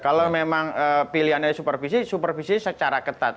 kalau memang pilihannya supervisi supervisi secara ketat